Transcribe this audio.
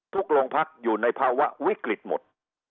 โรงพักอยู่ในภาวะวิกฤตหมด